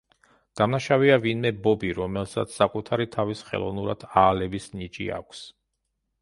დამნაშავეა ვინმე ბობი, რომელსაც საკუთარი თავის ხელოვნურად აალების ნიჭი აქვს.